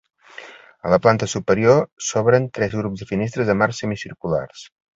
A la planta superior s'obren tres grups de finestres amb arcs semicirculars.